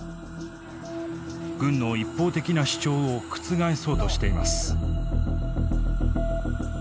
軍の一方的な主張を覆そうとしています。